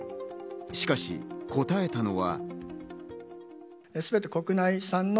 しかし答えたのは。